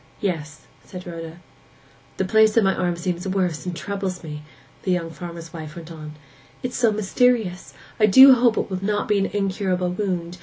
'Yes,' said Rhoda. 'The place on my arm seems worse, and troubles me!' the young farmer's wife went on. 'It is so mysterious! I do hope it will not be an incurable wound.